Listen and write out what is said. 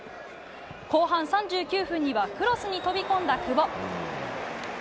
後半３９分にはクロスに飛び込んだ久保。